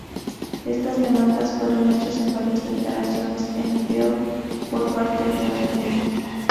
Estas demandas fueron hechas en varias declaraciones en vídeo por parte de Artemio.